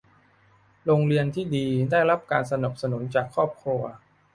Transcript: โรงเรียนที่ดีได้รับการสนับสนุนจากครอบครัว